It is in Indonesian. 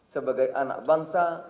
sebagai anak bangsa